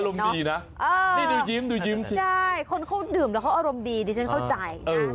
ก็ดูอารมณ์ดีนะนี่ดูยิ้มใช่คนเขาดื่มแล้วเขาอารมณ์ดีดิฉันเข้าใจนะ